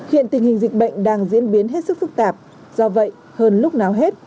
hiện tình hình dịch bệnh đang diễn biến hết sức phức tạp do vậy hơn lúc nào hết